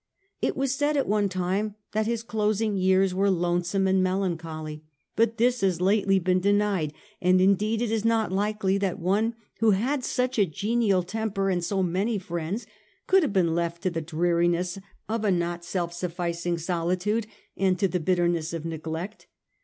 It was said at one time that his closing years were lonesome and melancholy ; but this has lately been denied, and indeed it is not likely that one who had such a genial temper and so many friends could have been left to the dreariness of a not self sufficing solitude and to the bitterness of neglect.